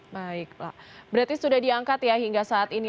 baik pak berarti sudah diangkat ya hingga saat ini